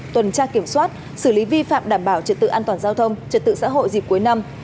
tuần tra kiểm soát xử lý vi phạm đảm bảo trật tự an toàn giao thông trật tự xã hội dịp cuối năm